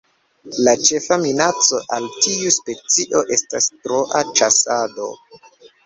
La ĉefa minaco al tiu specio estas troa ĉasado.